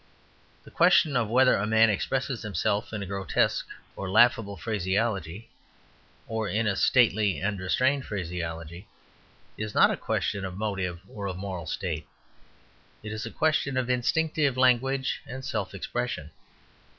The question of whether a man expresses himself in a grotesque or laughable phraseology, or in a stately and restrained phraseology, is not a question of motive or of moral state, it is a question of instinctive language and self expression.